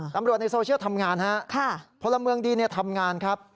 ในโซเชียลทำงานฮะพลเมืองดีทำงานครับ